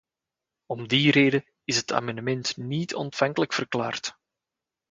Om die reden is het amendement niet-ontvankelijk verklaard.